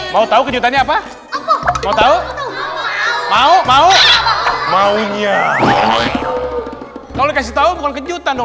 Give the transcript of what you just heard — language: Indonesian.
mau tahu kejutan apa mau mau mau maunya kalau kasih tahu kejutan